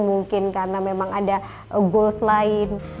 mungkin karena memang ada goals lain